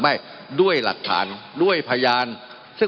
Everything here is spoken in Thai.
มันมีมาต่อเนื่องมีเหตุการณ์ที่ไม่เคยเกิดขึ้น